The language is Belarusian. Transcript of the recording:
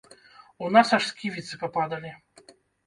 У нас аж сківіцы пападалі.